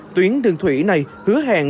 tuyến đường thủy này hứa hẹn